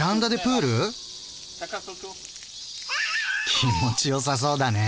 気持ちよさそうだね。